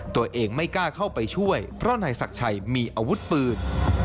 ตัวเองไม่กล้าเข้าไปช่วยเพราะนายศักดิ์ชัยมีอาวุธปืน